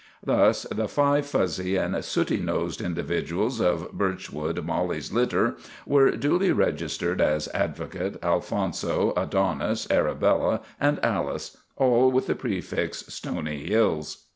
Thus, the five fuzzy and sooty nosed individuals of Birchwood Mollie's litter were duly registered as Advocate, Alfonso, Adonis, Arabella, and Alice, all with the prefix Stony Hills.